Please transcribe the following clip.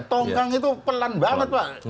tongkang itu pelan banget pak